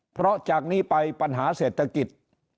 เพราะจากนี้ไปปัญหาเศรษฐกิจ